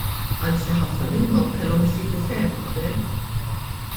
Anzi ħafna minnhom kellhom isiru ferm qabel.